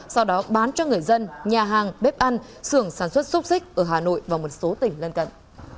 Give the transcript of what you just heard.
sau đó bán cho người dân nhà hàng bếp ăn sưởng sản xuất xúc xích ở hà nội và một số tỉnh lân cận